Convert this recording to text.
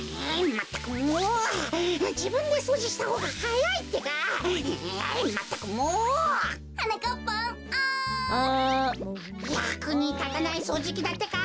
やくにたたないそうじきだってか。